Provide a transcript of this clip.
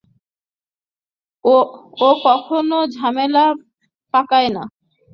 ও কখনো ঝামেলা পাকায় না।